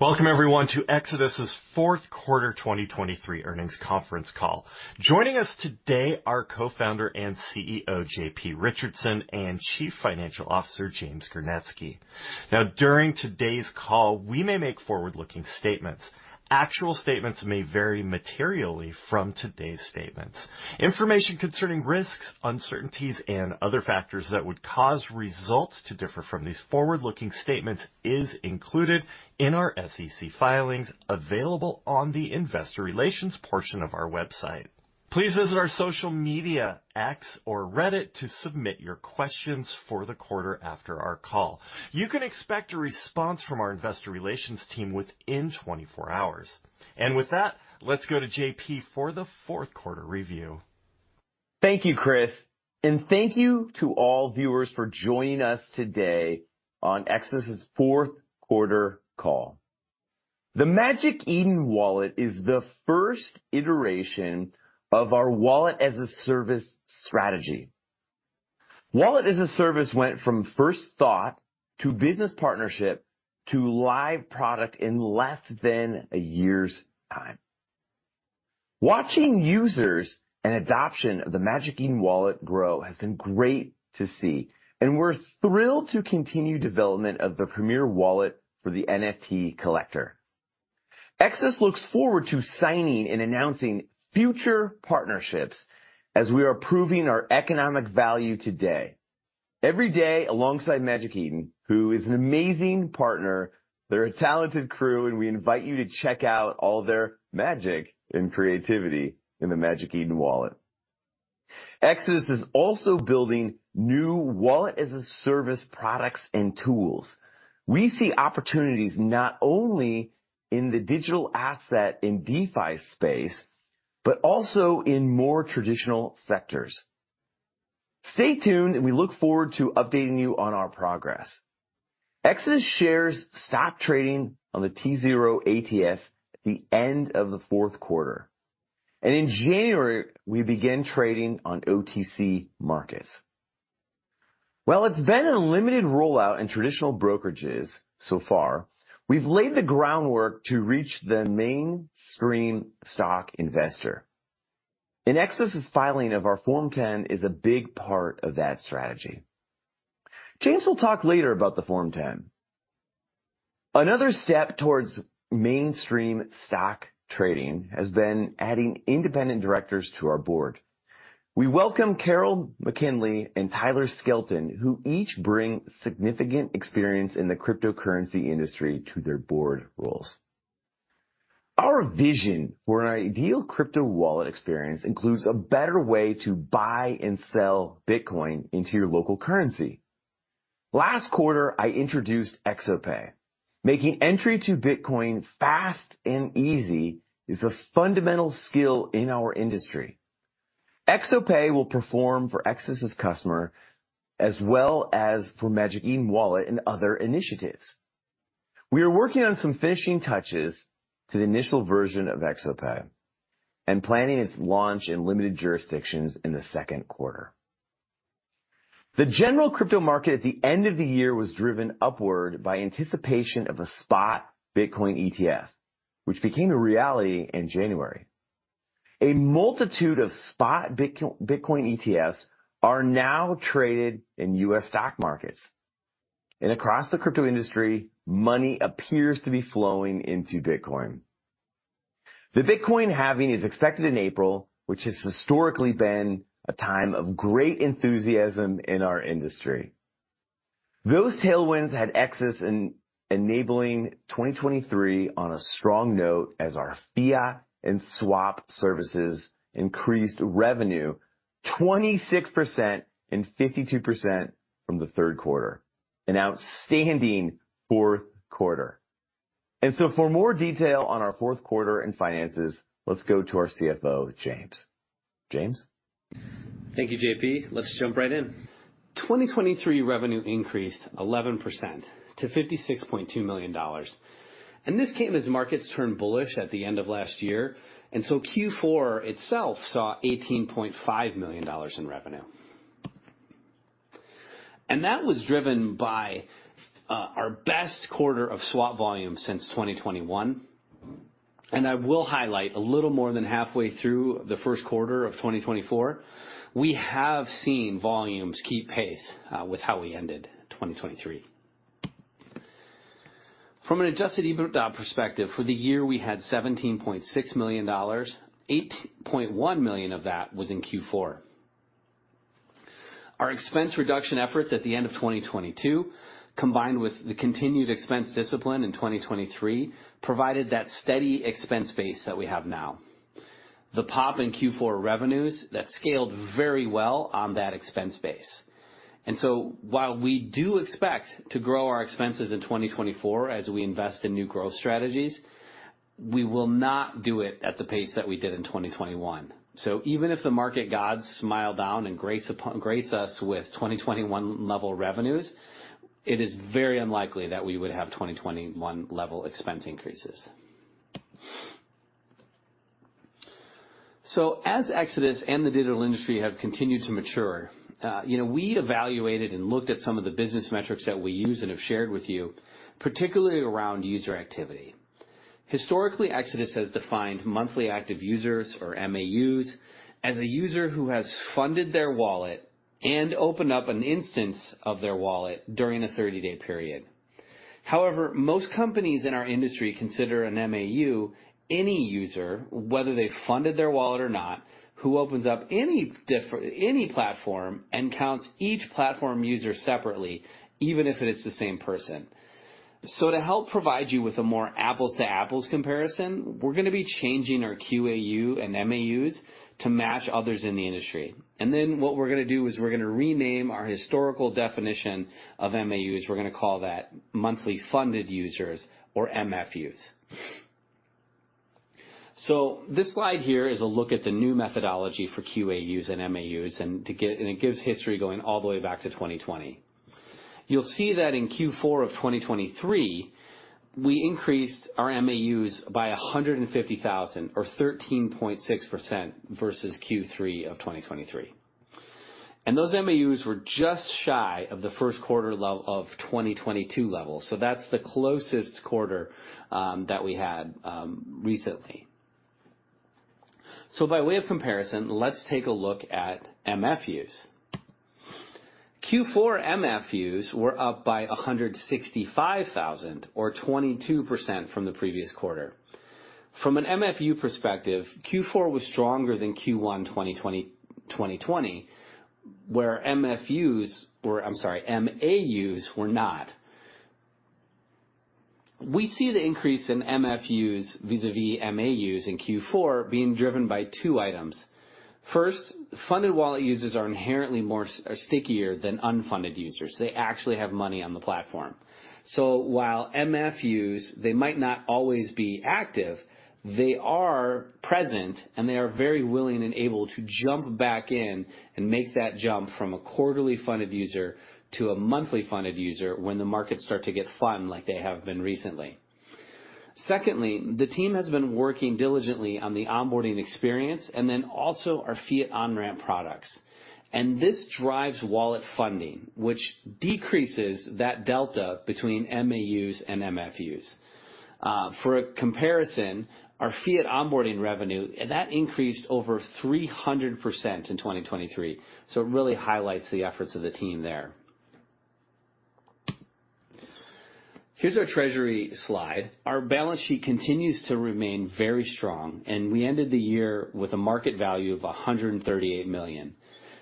Welcome, everyone, to Exodus's Q4 2023 earnings conference call. Joining us today are Co-Founder and CEO J.P. Richardson and Chief Financial Officer James Gernetzke. Now, during today's call, we may make forward-looking statements. Actual statements may vary materially from today's statements. Information concerning risks, uncertainties, and other factors that would cause results to differ from these forward-looking statements is included in our SEC filings available on the investor relations portion of our website. Please visit our social media, X, or Reddit to submit your questions for the quarter after our call. You can expect a response from our investor relations team within 24 hours. And with that, let's go to J.P. for the Q4 review. Thank you, Chris. Thank you to all viewers for joining us today on Exodus's Q4 call. The Magic Eden Wallet is the first iteration of our Wallet as a Service strategy. Wallet as a Service went from first thought to business partnership to live product in less than a year's time. Watching users and adoption of the Magic Eden Wallet grow has been great to see, and we're thrilled to continue development of the premier wallet for the NFT collector. Exodus looks forward to signing and announcing future partnerships as we are proving our economic value today. Every day alongside Magic Eden, who is an amazing partner, they're a talented crew, and we invite you to check out all their magic and creativity in the Magic Eden Wallet. Exodus is also building new Wallet as a Service products and tools. We see opportunities not only in the digital asset in DeFi space but also in more traditional sectors. Stay tuned, and we look forward to updating you on our progress. Exodus shares stopped trading on the tZERO ATS at the end of the Q4, and in January, we begin trading on OTC Markets. While it's been a limited rollout in traditional brokerages so far, we've laid the groundwork to reach the mainstream stock investor. An Exodus filing of our Form 10 is a big part of that strategy. James will talk later about the Form 10. Another step towards mainstream stock trading has been adding independent directors to our board. We welcome Carol MacKinlay and Tyler Skelton, who each bring significant experience in the cryptocurrency industry to their board roles. Our vision for an ideal crypto wallet experience includes a better way to buy and sell Bitcoin into your local currency. Last quarter, I introduced ExoPay. Making entry to Bitcoin fast and easy is a fundamental skill in our industry. ExoPay will perform for Exodus's customer as well as for Magic Eden Wallet and other initiatives. We are working on some finishing touches to the initial version of ExoPay and planning its launch in limited jurisdictions in the Q2. The general crypto market at the end of the year was driven upward by anticipation of a spot Bitcoin ETF, which became a reality in January. A multitude of spot Bitcoin ETFs are now traded in U.S. stock markets, and across the crypto industry, money appears to be flowing into Bitcoin. The Bitcoin halving is expected in April, which has historically been a time of great enthusiasm in our industry. Those tailwinds had Exodus ending 2023 on a strong note as our fiat and swap services increased revenue 26% and 52% from the Q3, an outstanding Q4. For more detail on our Q4 and finances, let's go to our CFO, James. James? Thank you, JP. Let's jump right in. 2023 revenue increased 11% to $56.2 million. This came as markets turned bullish at the end of last year, and so Q4 itself saw $18.5 million in revenue. That was driven by our best quarter of swap volume since 2021. I will highlight a little more than halfway through the Q1 of 2024. We have seen volumes keep pace with how we ended 2023. From an Adjusted EBITDA perspective, for the year, we had $17.6 million. $8.1 million of that was in Q4. Our expense reduction efforts at the end of 2022, combined with the continued expense discipline in 2023, provided that steady expense base that we have now. The pop in Q4 revenues that scaled very well on that expense base. So while we do expect to grow our expenses in 2024 as we invest in new growth strategies, we will not do it at the pace that we did in 2021. So even if the market gods smile down and grace us with 2021-level revenues, it is very unlikely that we would have 2021-level expense increases. So as Exodus and the digital industry have continued to mature, we evaluated and looked at some of the business metrics that we use and have shared with you, particularly around user activity. Historically, Exodus has defined monthly active users, or MAUs, as a user who has funded their wallet and opened up an instance of their wallet during a 30-day period. However, most companies in our industry consider an MAU any user, whether they funded their wallet or not, who opens up any platform and counts each platform user separately, even if it's the same person. So to help provide you with a more apples-to-apples comparison, we're going to be changing our QAU and MAUs to match others in the industry. And then what we're going to do is we're going to rename our historical definition of MAUs. We're going to call that monthly funded users, or MFUs. So this slide here is a look at the new methodology for QAUs and MAUs, and it gives history going all the way back to 2020. You'll see that in Q4 of 2023, we increased our MAUs by 150,000, or 13.6%, versus Q3 of 2023. And those MAUs were just shy of the Q1 of 2022 level. So that's the closest quarter that we had recently. So by way of comparison, let's take a look at MFUs. Q4 MFUs were up by 165,000, or 22%, from the previous quarter. From an MFU perspective, Q4 was stronger than Q1 2020, where MFUs were I'm sorry, MAUs were not. We see the increase in MFUs vis-à-vis MAUs in Q4 being driven by two items. First, funded wallet users are inherently stickier than unfunded users. They actually have money on the platform. So while MFUs, they might not always be active, they are present, and they are very willing and able to jump back in and make that jump from a quarterly funded user to a monthly funded user when the markets start to get fun, like they have been recently. Secondly, the team has been working diligently on the onboarding experience and then also our fiat on-ramp products. This drives wallet funding, which decreases that delta between MAUs and MFUs. For a comparison, our fiat onboarding revenue that increased over 300% in 2023. It really highlights the efforts of the team there. Here's our treasury slide. Our balance sheet continues to remain very strong, and we ended the year with a market value of $138 million.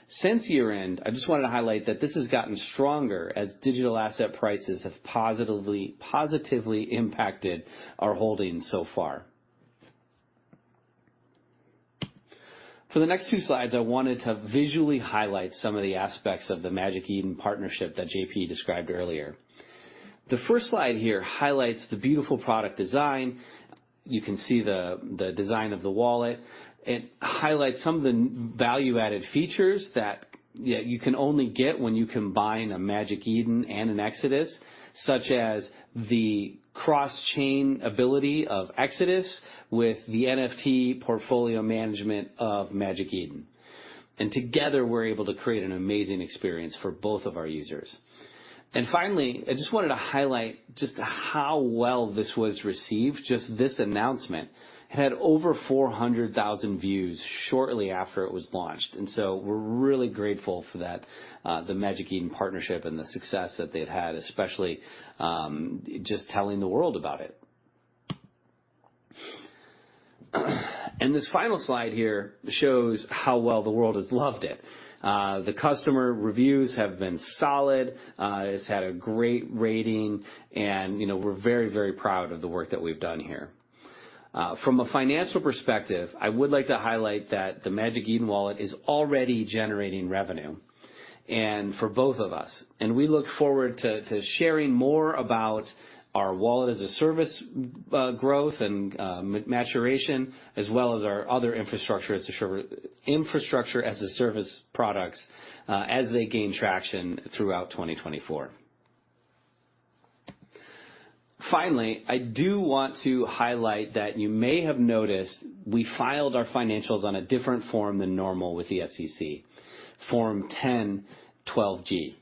Since year-end, I just wanted to highlight that this has gotten stronger as digital asset prices have positively impacted our holdings so far. For the next two slides, I wanted to visually highlight some of the aspects of the Magic Eden partnership that JP described earlier. The first slide here highlights the beautiful product design. You can see the design of the wallet. It highlights some of the value-added features that you can only get when you combine a Magic Eden and an Exodus, such as the cross-chain ability of Exodus with the NFT portfolio management of Magic Eden. Together, we're able to create an amazing experience for both of our users. Finally, I just wanted to highlight just how well this was received, just this announcement. It had over 400,000 views shortly after it was launched. So we're really grateful for the Magic Eden partnership and the success that they've had, especially just telling the world about it. This final slide here shows how well the world has loved it. The customer reviews have been solid. It's had a great rating, and we're very, very proud of the work that we've done here. From a financial perspective, I would like to highlight that the Magic Eden Wallet is already generating revenue for both of us. We look forward to sharing more about our Wallet as a Service growth and maturation, as well as our other infrastructure as a service products as they gain traction throughout 2024. Finally, I do want to highlight that you may have noticed we filed our financials on a different form than normal with the SEC, Form 10/12G.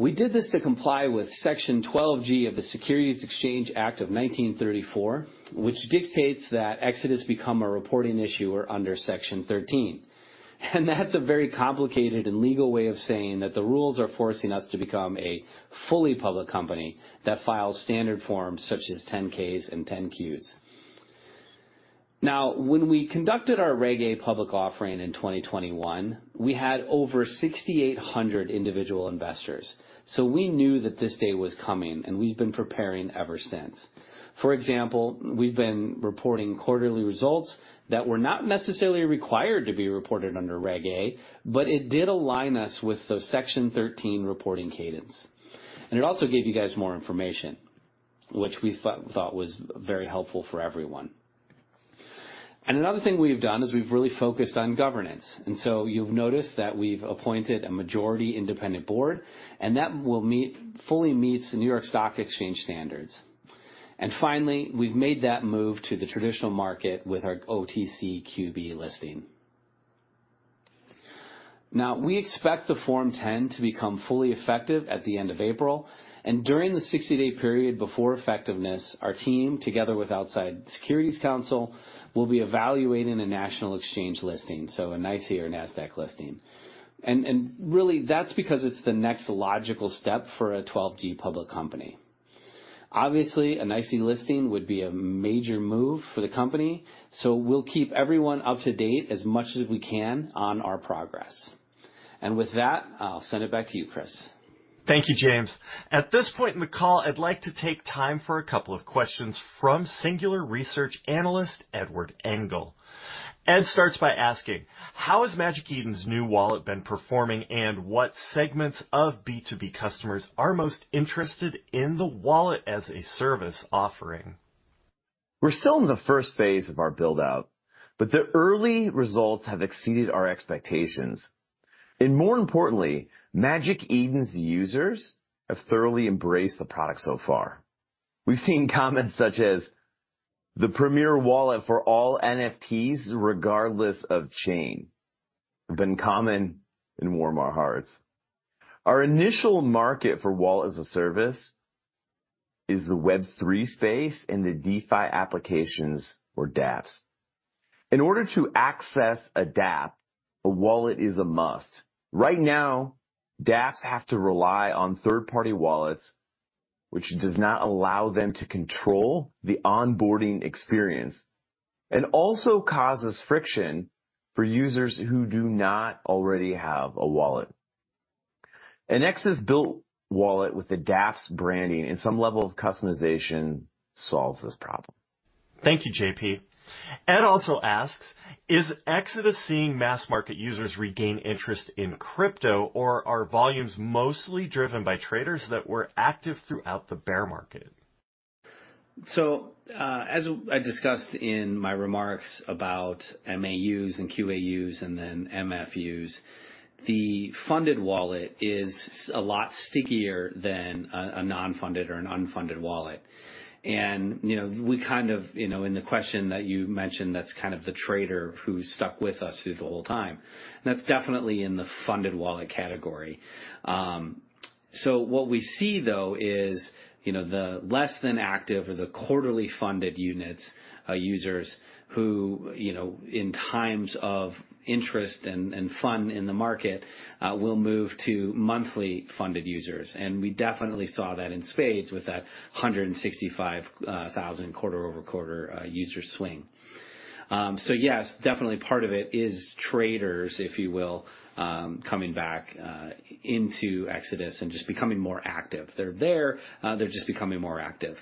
We did this to comply with Section 12(g) of the Securities Exchange Act of 1934, which dictates that Exodus become a reporting issuer under Section 13. That's a very complicated and legal way of saying that the rules are forcing us to become a fully public company that files standard forms such as 10-Ks and 10-Qs. Now, when we conducted our Reg A+ public offering in 2021, we had over 6,800 individual investors. So we knew that this day was coming, and we've been preparing ever since. For example, we've been reporting quarterly results that were not necessarily required to be reported under Reg A+, but it did align us with the Section 13 reporting cadence. And it also gave you guys more information, which we thought was very helpful for everyone. And another thing we've done is we've really focused on governance. And so you've noticed that we've appointed a majority independent board, and that fully meets New York Stock Exchange standards. And finally, we've made that move to the traditional market with our OTCQB listing. Now, we expect the Form 10 to become fully effective at the end of April. During the 60-day period before effectiveness, our team, together with Outside Securities Counsel, will be evaluating a national exchange listing, so a NYSE or NASDAQ listing. Really, that's because it's the next logical step for a 12G public company. Obviously, a NYSE listing would be a major move for the company, so we'll keep everyone up to date as much as we can on our progress. With that, I'll send it back to you, Chris. Thank you, James. At this point in the call, I'd like to take time for a couple of questions from Singular Research analyst Edward Engel. Ed starts by asking, "How has Magic Eden's new wallet been performing, and what segments of B2B customers are most interested in the Wallet as a Service offering? We're still in the first phase of our buildout, but the early results have exceeded our expectations. More importantly, Magic Eden's users have thoroughly embraced the product so far. We've seen comments such as, "The premier wallet for all NFTs, regardless of chain," have been common and warm our hearts. Our initial market for Wallet as a Service is the Web3 space and the DeFi applications, or DApps. In order to access a DApp, a wallet is a must. Right now, DApps have to rely on third-party wallets, which does not allow them to control the onboarding experience and also causes friction for users who do not already have a wallet. An Exodus-built wallet with a DApps branding and some level of customization solves this problem. Thank you, JP. Ed also asks, "Is Exodus seeing mass market users regain interest in crypto, or are volumes mostly driven by traders that were active throughout the bear market? So as I discussed in my remarks about MAUs and QAUs and then MFUs, the funded wallet is a lot stickier than a non-funded or an unfunded wallet. And we kind of in the question that you mentioned, that's kind of the trader who stuck with us through the whole time. And that's definitely in the funded wallet category. So what we see, though, is the less-than-active or the quarterly funded units, users who in times of interest and funding in the market will move to monthly funded users. And we definitely saw that in spades with that 165,000 quarter-over-quarter user swing. So yes, definitely part of it is traders, if you will, coming back into Exodus and just becoming more active. They're there. They're just becoming more active.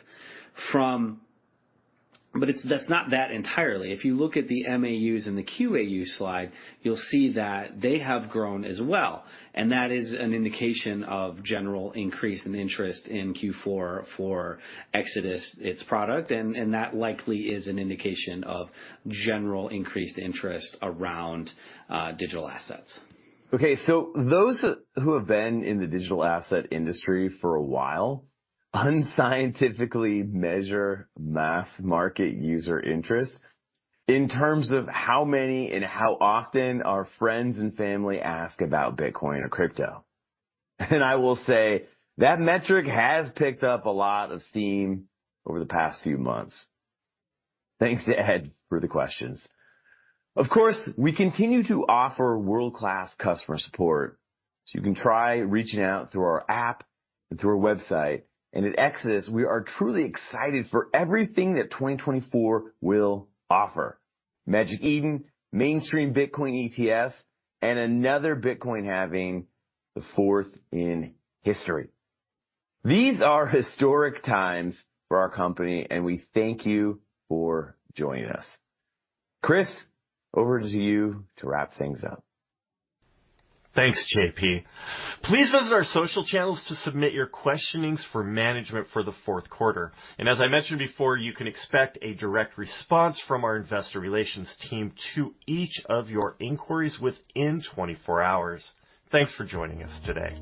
But that's not that entirely. If you look at the MAUs and the QAU slide, you'll see that they have grown as well. That is an indication of general increase in interest in Q4 for Exodus, its product. That likely is an indication of general increased interest around digital assets. Okay. So those who have been in the digital asset industry for a while unscientifically measure mass market user interest in terms of how many and how often our friends and family ask about Bitcoin or crypto. And I will say that metric has picked up a lot of steam over the past few months. Thanks to Ed for the questions. Of course, we continue to offer world-class customer support. So you can try reaching out through our app and through our website. And at Exodus, we are truly excited for everything that 2024 will offer: Magic Eden, mainstream Bitcoin ETFs, and another Bitcoin halving, the fourth in history. These are historic times for our company, and we thank you for joining us. Chris, over to you to wrap things up. Thanks, JP. Please visit our social channels to submit your questions for management for the Q4. As I mentioned before, you can expect a direct response from our investor relations team to each of your inquiries within 24 hours. Thanks for joining us today.